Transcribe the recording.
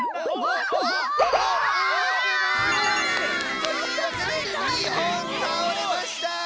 わっ！というわけで２ほんたおれました！